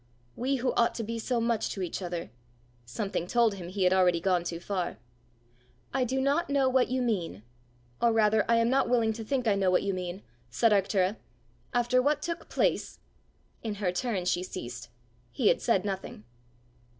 "We who ought to be so much to each other " Something told him he had already gone too far. "I do not know what you mean or rather, I am not willing to think I know what you mean," said Arctura. "After what took place " In her turn she ceased: he had said nothing!